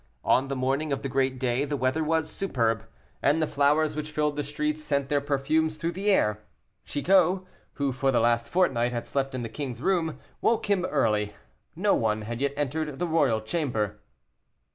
On the morning of the great day, the weather was superb, and the flowers which filled the streets sent their perfumes through the air. Chicot, who for the last fortnight had slept in the king's room, woke him early; no one had yet entered the royal chamber.